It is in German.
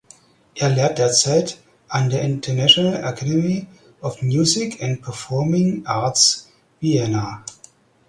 Er Lehrt derzeit an der International Academy of Music and Performing Arts Vienna.